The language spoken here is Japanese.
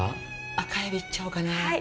赤エビ、行っちゃおうかな。